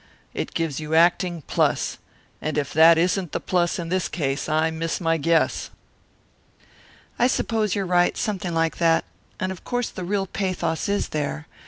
It gives you acting plus, and if that isn't the plus in this case I miss my guess." "I suppose you're right something like that. And of course the real pathos is there.